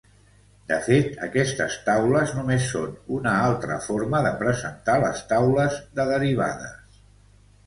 De fet aquestes taules només són una altra forma de presentar les taules de derivades.